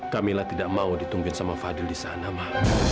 kamila tidak mau ditungguin sama fadil di sana ma